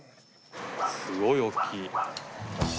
すごい大きい。